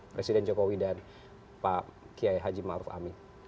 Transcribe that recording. presiden jokowi dan pak kiai haji maruf amin